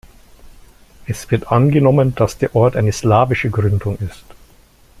Es wird angenommen, dass der Ort eine slawische Gründung ist.